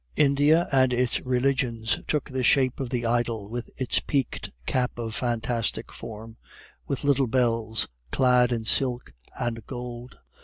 India and its religions took the shape of the idol with his peaked cap of fantastic form, with little bells, clad in silk and gold.